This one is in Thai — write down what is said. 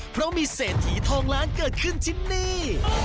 เพราะมีเศรษฐีทองล้านเกิดขึ้นที่นี่